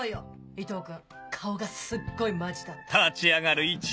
伊藤君顔がすっごいマジだったもん。